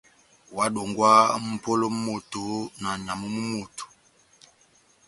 Óhádongwaha mʼpolo mú moto na nyamu mú moto.